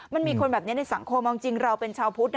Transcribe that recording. มันมีคนแบบนี้ในสังคมเราเป็นชาวพุทธ